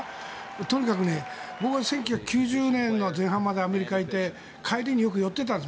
とにかく僕は１９９０年の前半までアメリカにいて帰りによく寄っていたんです